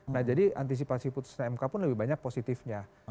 nah jadi antisipasi putusan mk pun lebih banyak positifnya